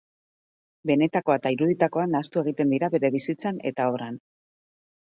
Benetakoa eta iruditakoa nahastu egiten dira bere bizitza eta obran.